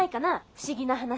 不思議な話。